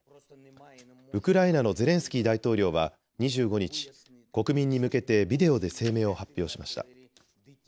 ウクライナのゼレンスキー大統領は２５日、国民に向けてビデオで声明を発表しました。